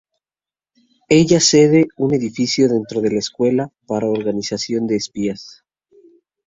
Ella cede un edificio dentro de la escuela para la organización de espías.